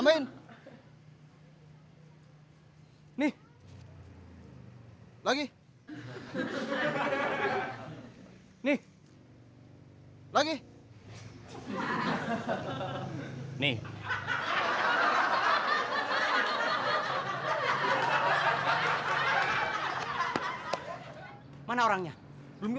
buat ganti uang bensin